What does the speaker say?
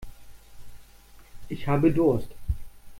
Ich habe Durst.